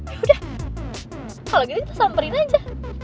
yaudah kalo gitu kita samperin aja